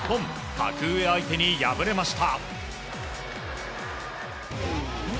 格上相手に敗れました。